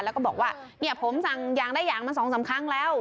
แล้วก็บอกว่าเนี่ยผมสั่งยางได้อย่างมา๒๓ครั้งแล้ว